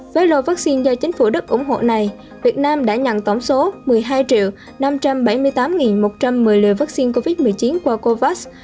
với lò vaccine do chính phủ đức ủng hộ này việt nam đã nhận tổng số một mươi hai triệu năm trăm bảy mươi tám một trăm một mươi liều vaccine covid một mươi chín qua covax